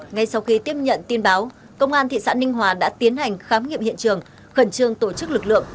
ngay sau khi tiếp nhận tin báo công an thị xã ninh hòa đã tiến hành khám nghiệm hiện trường khẩn trương tổ chức lực lượng